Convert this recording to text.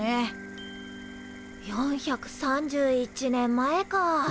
４３１年前か。